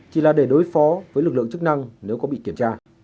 chỉ là để đối phó với lực lượng chức năng nếu có bị kiểm tra